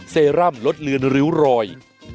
เซรั่มลดเลือนริ้วรอย